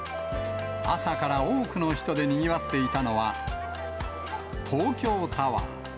朝から多くの人でにぎわっていたのは、東京タワー。